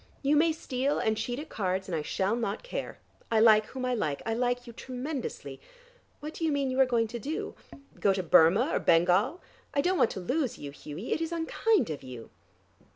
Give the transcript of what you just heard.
You may steal and cheat at cards, and I shall not care. I like whom I like: I like you tremendously. What do you mean you are going to do? Go to Burmah or Bengal? I don't want to lose you, Hughie. It is unkind of you.